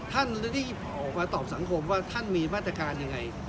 ท่านได้ออกมาตอบสังคมว่าท่านมีมาตรการยังไง